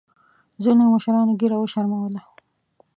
ځینو مشرانو ګیره وشرمولـه.